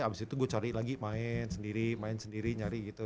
abis itu gue cari lagi main sendiri main sendiri nyari gitu